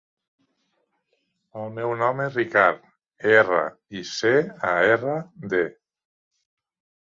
El meu nom és Ricard: erra, i, ce, a, erra, de.